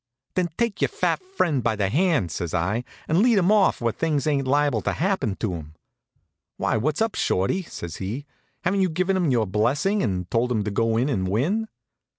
"Then take your fat friend by the hand," says I, "and lead him off where things ain't liable to happen to him." "Why, what's up, Shorty?" says he. "Haven't you given him your blessing, and told him to go in and win?"